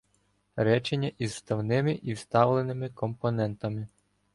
Речення зі вставними і вставленими компонентами